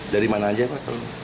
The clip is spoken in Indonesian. dari mana aja pak